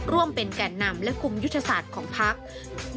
ร่วมเป็นแก่นนำและคุมยุทธศาสตร์ของพัก